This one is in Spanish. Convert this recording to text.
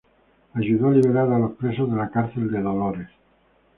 Ayudó a liberar a los presos de la cárcel de Dolores.